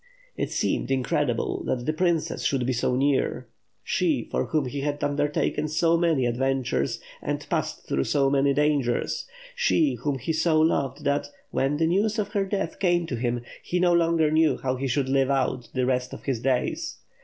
It seemed incredible that the princess should be so near; she, for whom he had undertaken so many adventures and passed through so many dangers; she, whom he so loved that, when the news of her death same to him, he no longer knew how he should live out the rest of his days.